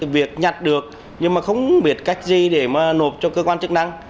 việc nhặt được nhưng mà không biết cách gì để mà nộp cho cơ quan chức năng